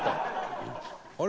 「あれ？